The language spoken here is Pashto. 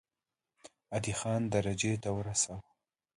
عادي خان درجې ته ورساوه.